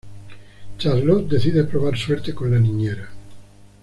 Charlot decide probar suerte con la niñera.